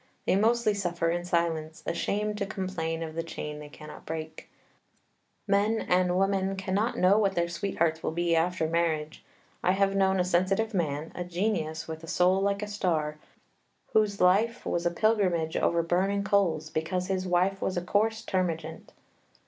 They mostly suffer in silence, ashamed to complain of the chain they cannot break. Men and woman cannot know what their sweethearts will be after marriage. I have known a sensitive man, a genius with a soul like a star, whose life was a pilgrimage over burning coals, because his wife was a coarse termagant.